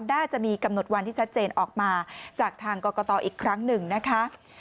น่าจะมีกำหนดวันที่ชัดเจนออกมาจากทางกรกตอีกครั้งหนึ่งนะคะ